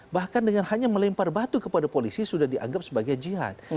bahkan dengan hanya melempar batu kepada polisi sudah dianggap sebagai jihad